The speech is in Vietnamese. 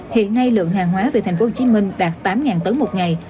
hiện nay lượng hàng hóa về tp hcm đạt tám tấn một ngày